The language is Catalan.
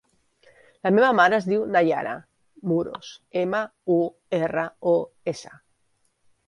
La meva mare es diu Nayara Muros: ema, u, erra, o, essa.